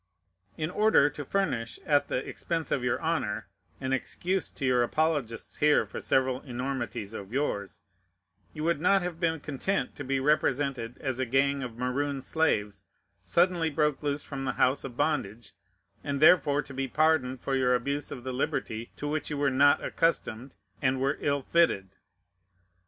In order to furnish, at the expense of your honor, an excuse to your apologists here for several enormities of yours, you would not have been content to be represented as a gang of Maroon slaves, suddenly broke loose from the house of bondage, and therefore to be pardoned for your abuse of the liberty to which you were not accustomed, and were ill fitted.